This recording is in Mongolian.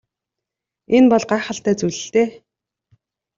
Энэ бол гайхалтай зүйл л дээ.